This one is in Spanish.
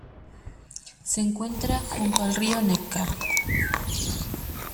Se encuentra junto al río Neckar.